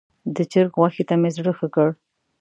د چرګ غوښې ته مې زړه ښه کړ.